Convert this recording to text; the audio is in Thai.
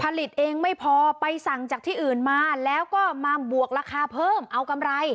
ผลิตเองไม่พอไปสั่งจากที่อื่นมาแล้วก็มาบวกราคาเพิ่มเอากำไร